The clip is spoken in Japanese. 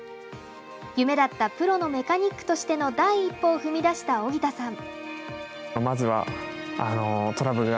夢だったプロのメカニックとしての第一歩を踏み出した荻田さん。